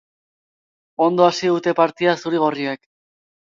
Ondo hasi dute partida zuri-gorriek.